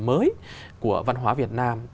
mới của văn hóa việt nam